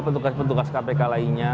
petugas petugas kpk lainnya